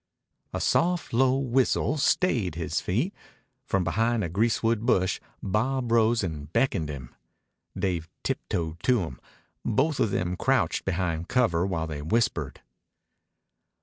A soft, low whistle stayed his feet. From behind a greasewood bush Bob rose and beckoned him. Dave tiptoed to him. Both of them crouched behind cover while they whispered.